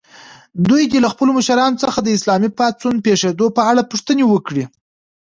دوی دې له خپلو مشرانو څخه د اسلامي پاڅون پېښېدو په اړه پوښتنې وکړي.